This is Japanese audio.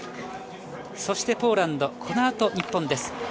そしてポーランド、このあと日本です。